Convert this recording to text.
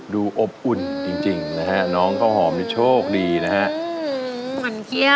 ดูอบอุ่นจริงจริงนะฮะช่องมีโชคดีนะฮะ